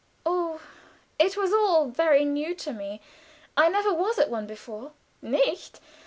"Oh, it was all very new to me. I never was at one before." "_Nicht?